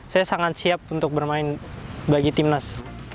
saya sangat siap untuk bermain bagi timnas